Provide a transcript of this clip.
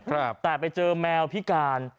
แต่ไปเจอแมวพิการ